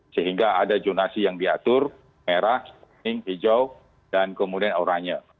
sehingga ada jonasi yang diatur merah kuning hijau dan kemudian oranye